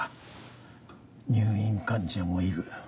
入院患者もいる。